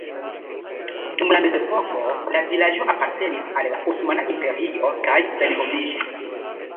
Dum la mezepoko la vilaĝo apartenis al la Osmana Imperio kaj senhomiĝis.